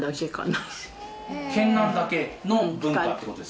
県南だけの文化って事ですか？